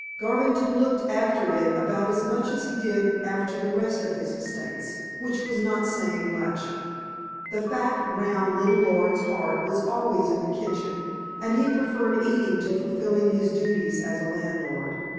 Garvington looked after it about as much as he did after the rest of his estates, which was not saying much. The fat, round little lord's heart was always in the kitchen, and he preferred eating to fulfilling his duties as a landlord.